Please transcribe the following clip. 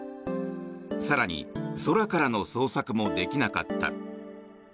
更に空からの捜索もできなかった。